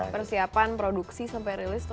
persiapan produksi sampai rilis itu